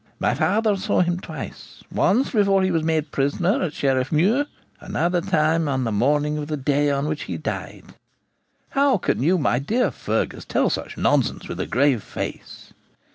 My father saw him twice, once before he was made prisoner at Sheriff Muir, another time on the morning of the day on which he died.' 'How can you, my dear Fergus, tell such nonsense with a grave face?'